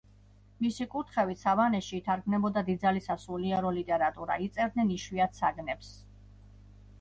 მისი კურთხევით სავანეში ითარგმნებოდა დიდძალი სასულიერო ლიტერატურა, იწერდნენ იშვიათ საგნებს.